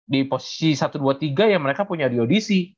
di posisi satu dua tiga ya mereka punya diodisi